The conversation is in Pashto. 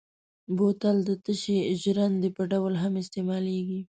بوتل د تشې ژرندې په ډول هم استعمالېږي.